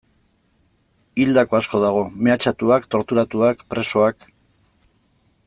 Hildako asko dago, mehatxatuak, torturatuak, presoak...